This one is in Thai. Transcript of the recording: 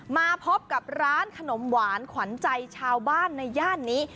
มาพบกับร้านขนมหวานขวัญใจชาวบ้านในย่านนี้